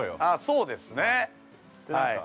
◆そうですね。